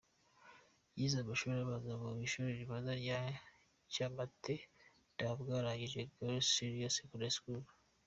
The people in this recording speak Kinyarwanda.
Yize amashuri abanza mu ishuri ribanza rya Kyamate na Bweranyangi Girls’ Senior Secondary School.